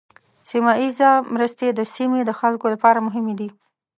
سیمه ایزه مرستې د سیمې د خلکو لپاره مهمې دي.